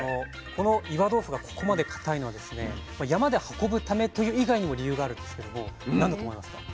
この岩豆腐がここまで固いのは山で運ぶためという以外にも理由があるんですけども何だと思いますか？